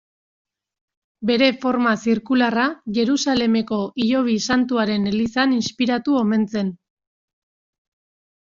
Bere forma zirkularra Jerusalemeko Hilobi Santuaren elizan inspiratu omen zen.